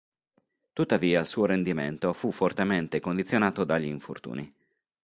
Tuttavia il suo rendimento fu fortemente condizionato dagli infortuni.